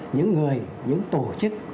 những người những tổ chức